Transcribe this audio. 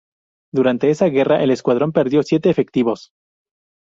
Durante esa guerra el Escuadrón perdió siete efectivos.